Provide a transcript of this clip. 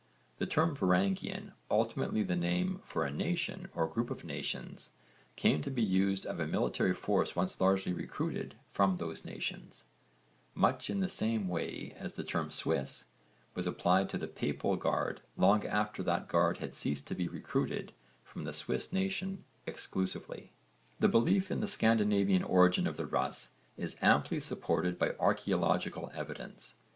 The term 'Varangian,' ultimately the name for a nation or group of nations, came to be used of a military force once largely recruited from those nations, much in the same way as the term 'Swiss' was applied to the Papal guard long after that guard had ceased to be recruited from the Swiss nation exclusively. The belief in the Scandinavian origin of the Russ is amply supported by archaeological evidence.